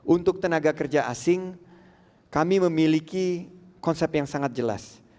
untuk tenaga kerja asing kami memiliki konsep yang sangat jelas